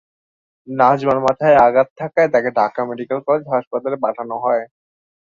নাজমার মাথায় আঘাত থাকায় তাঁকে ঢাকা মেডিকেল কলেজ হাসপাতালে পাঠানো হয়।